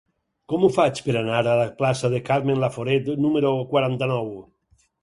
Com ho faig per anar a la plaça de Carmen Laforet número quaranta-nou?